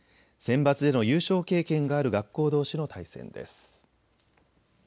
センバツでの優勝経験がある学校どうしの対戦です。